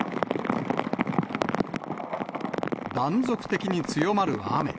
断続的に強まる雨。